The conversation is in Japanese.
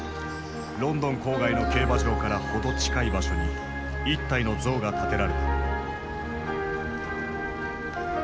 ロンドン郊外の競馬場から程近い場所に一体の像が建てられた。